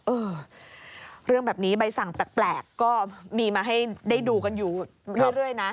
เออเรื่องแบบนี้ใบสั่งแปลกก็มีมาให้ได้ดูกันอยู่เรื่อยนะ